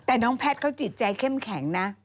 แต่น้องแพทย์เขาจิตใจเข้มแข็งนะ